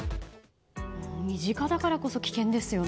身近だからこそ危険ですよね。